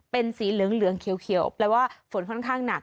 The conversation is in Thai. เป็นสีเหลืองเหลืองเขียวเขียวแปลว่าฝนค่อนข้างหนัก